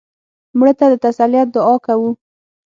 مړه ته د تسلیت دعا کوو